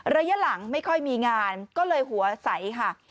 ระยะหลังไม่ค่อยมีงานก็เลยหัวใสค่ะ